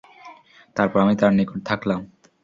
তারপর আমি তার নিকট থাকলাম।